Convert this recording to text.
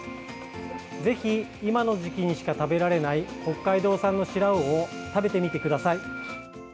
ぜひ今の時期にしか食べられない北海道産のシラウオを食べてみてください。